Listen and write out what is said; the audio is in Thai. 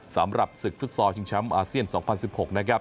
สำหรับศึกฟุตซอลชิงแชมป์อาเซียน๒๐๑๖นะครับ